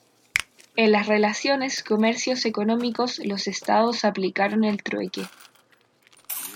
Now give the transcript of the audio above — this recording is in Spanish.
En las relaciones comercios económicos los estados aplicaron el trueque.